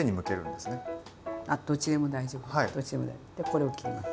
でこれを切ります。